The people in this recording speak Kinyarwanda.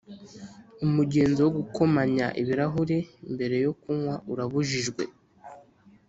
Umugenzo wo gukomanya ibirahuri mbere yo kunywa urabujijwe.